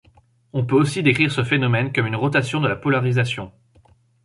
On peut aussi décrire ce phénomène comme une rotation de la polarisation.